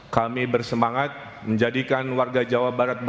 kami bersemangat menjadikan warga jawa barat